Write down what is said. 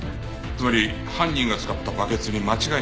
つまり犯人が使ったバケツに間違いないという事か。